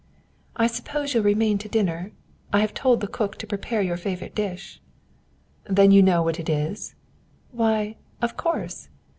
"I suppose you'll remain to dinner? I have told the cook to prepare your favourite dish." "Then you know what it is?" "Why, of course!